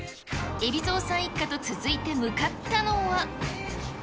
海老蔵さん一家と続いて向かったのは。